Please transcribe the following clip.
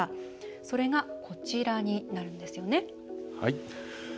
それが、こちらになるんですよね。